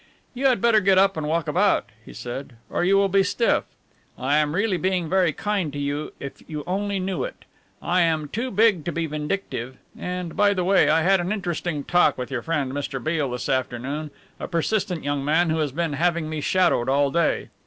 "You had better get up and walk about," he said, "or you will be stiff. I am really being very kind to you if you only knew it. I am too big to be vindictive. And, by the way, I had an interesting talk with your friend, Mr. Beale, this afternoon, a persistent young man who has been having me shadowed all day."